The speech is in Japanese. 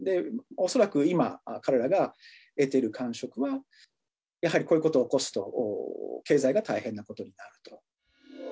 恐らく今、彼らが得てる感触は、やはりこういうこと起こすと、経済が大変なことになると。